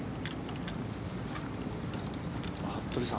服部さん